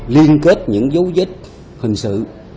liên kết những dấu viết hình sự